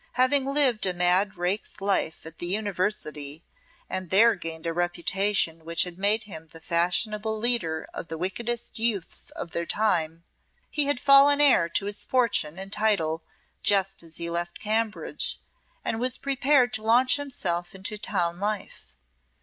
Having lived a mad rake's life at the University, and there gained a reputation which had made him the fashionable leader of the wickedest youths of their time, he had fallen heir to his fortune and title just as he left Cambridge and was prepared to launch himself into town life.